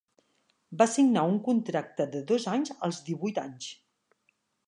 Va signar un contracte de dos anys als divuit anys.